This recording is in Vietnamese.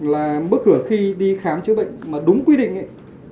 là mức hưởng khi đi khám chữa bệnh mà đúng quy định ấy